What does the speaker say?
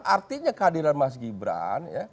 artinya kehadiran mas gibran